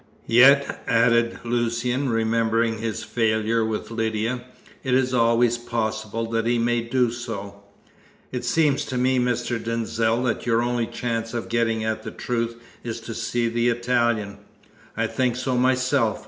Yet," added Lucian, remembering his failure with Lydia, "it is always possible that he may do so." "It seems to me, Mr. Denzil, that your only chance of getting at the truth is to see the Italian." "I think so myself.